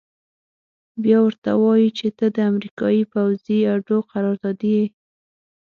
بيا ورته وايي چې ته د امريکايي پوځي اډو قراردادي يې.